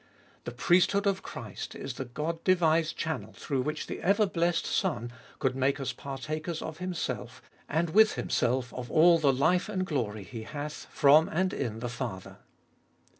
The priesthood of Christ is the God devised channel through which the ever blessed Son could make us par takers of Himself, and with Himself of all the life and glory He hath from and in the Father.